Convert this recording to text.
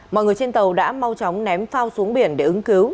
mọi người trên tàu đã mau chóng ném phao xuống biển để ứng cứu